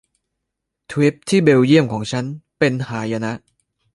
ทริปที่เบลเยี่ยมของฉันเป็นหายนะ